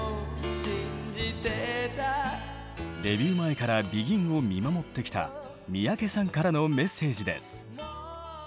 デビュー前からＢＥＧＩＮを見守ってきた三宅さんからのメッセージです。